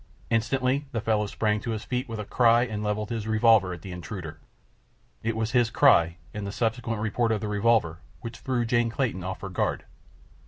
Instantly the fellow sprang to his feet with a cry and levelled his revolver at the intruder. It was his cry and the subsequent report of the revolver which threw Jane Clayton off her guard.